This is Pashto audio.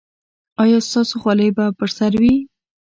ایا ستاسو خولۍ به پر سر وي؟